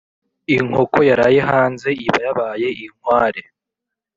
Inkoko yaraye hanze iba yabaye inkware.